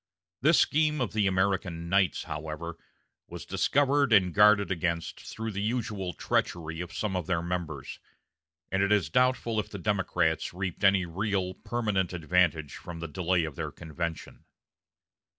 This scheme of the American Knights, however, was discovered and guarded against through the usual treachery of some of their members; and it is doubtful if the Democrats reaped any real, permanent advantage from the delay of their convention.